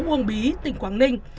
quang bí tỉnh quảng ninh